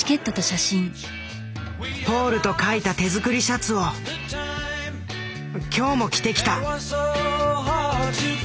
「ＰＡＵＬ」とかいた手作りシャツを今日も着てきた。